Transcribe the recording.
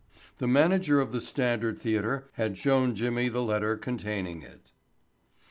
The manager of the Standard Theatre had shown Jimmy the letter containing it.